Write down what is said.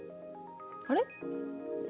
あれ？